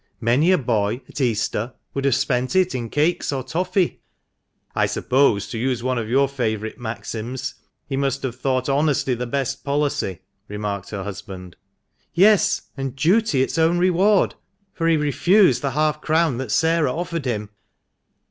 Many a boy, at Easter, would have spent it in cakes or tony." " I suppose, to use one of your favourite maxims, he must have thought 'honesty the best policy,'" remarked her husband. " Yes ; and ' duty its own reward '— for he refused the half crown that Sarah offered him."